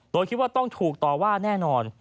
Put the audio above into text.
โดยคิดว่าต้องถูกต่อว่าแน่นอน